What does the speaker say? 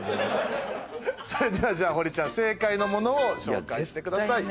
それではじゃあ堀ちゃん正解のものを紹介してください。